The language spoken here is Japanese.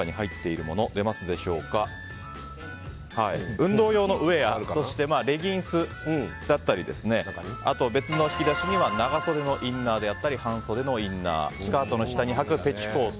運動用のウェアそしてレギンスだったりあとは別の引き出しには長袖のインナーだったり半袖のインナースカートの下にはくペチコート